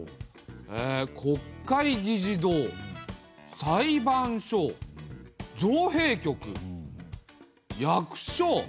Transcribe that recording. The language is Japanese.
へえ国会議事堂裁判所造幣局役所